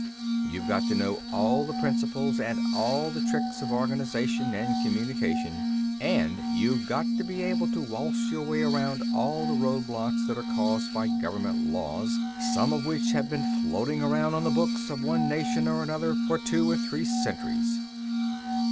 You've got to know all the principles and all the tricks of organization and communication, and you've got to be able to waltz your way around all the roadblocks that are caused by Government laws some of which have been floating around on the books of one nation or another for two or three centuries.